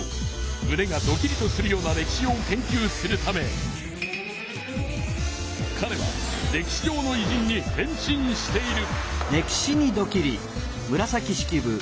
むねがドキリとするような歴史を研究するためかれは歴史上のいじんに変身している。